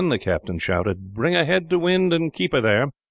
the captain shouted. "Bring her head to wind, and keep her there!"